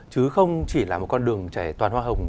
chứ không chỉ là một con đường chảy toàn hoa hồng